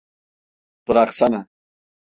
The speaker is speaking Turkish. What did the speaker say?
Bıraksana!